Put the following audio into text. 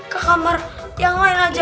ke kamar yang lain aja